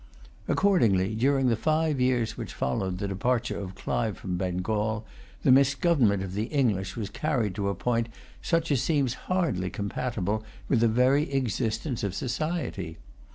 Accordingly, during the five years which followed the departure of Clive from Bengal, the misgovernment of the English was carried to a point such as seems hardly compatible with the very existence of society.